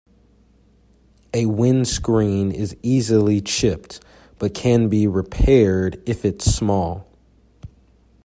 A windscreen is easily chipped, but can be repaired if it's small.